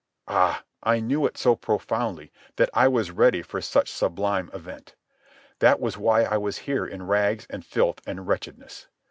Ah, I knew it so profoundly that I was ready for such sublime event. That was why I was here in rags and filth and wretchedness.